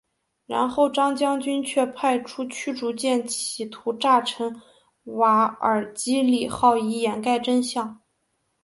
然后张将军却派出驱逐舰企图炸沉瓦尔基里号以掩盖真相。